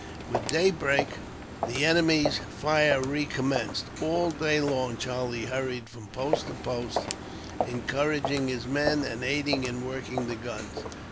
With daybreak, the enemy's fire recommenced. All day long Charlie hurried from post to post, encouraging his men, and aiding in working the guns.